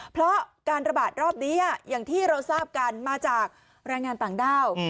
เพราะการระบาดรอบนี้อย่างที่เราทราบกันมาจากแรงงานต่างด้าว